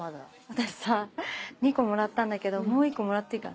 私さ２個もらったんだけどもう１個もらっていいかな？